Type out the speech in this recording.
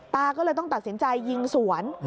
ตาก็เลยต้องตัดสินใจยิงสวน